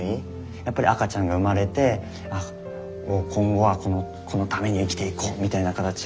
やっぱり赤ちゃんが生まれてもう今後はこの子のために生きていこうみたいな形を思って。